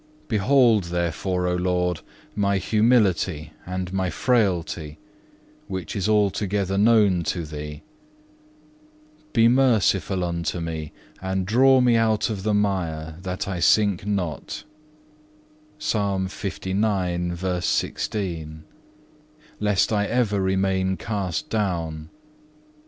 2. Behold, therefore, O Lord, my humility and my frailty, which is altogether known to Thee. Be merciful unto me, and draw me out of the mire that I sink not,(2) lest I ever remain cast down.